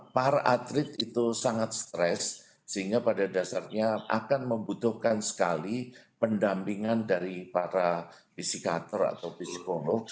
para atlet itu sangat stres sehingga pada dasarnya akan membutuhkan sekali pendampingan dari para fisikator atau psikolog